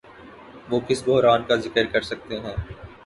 وہ کس بحران کا ذکر کرسکتے ہیں؟